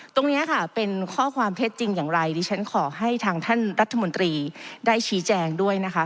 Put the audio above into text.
ตรงนี้ค่ะเป็นข้อความเท็จจริงอย่างไรดิฉันขอให้ทางท่านรัฐมนตรีได้ชี้แจงด้วยนะคะ